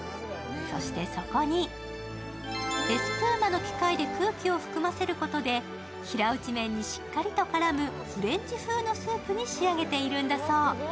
そしてそこにエスプーマの機械で空気を含ませることで平打ち麺にしっかりと絡むフレンチ風のスープに仕上げているんだそう。